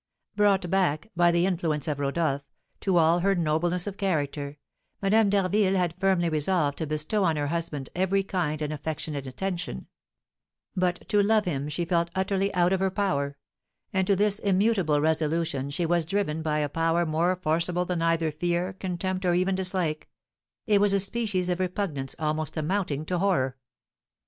Brought back, by the influence of Rodolph, to all her nobleness of character, Madame d'Harville had firmly resolved to bestow on her husband every kind and affectionate attention; but to love him she felt utterly out of her power; and to this immutable resolution she was driven by a power more forcible than either fear, contempt, or even dislike, it was a species of repugnance almost amounting to horror.